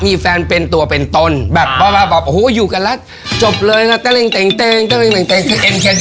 มีแฟน๑๐๐ให้มีแฟนเท่าไหร่